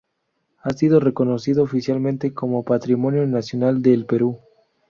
Ha sido reconocido oficialmente como Patrimonio Nacional del Perú.